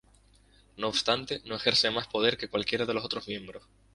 No obstante, no ejerce más poder que cualquiera de los otros miembros.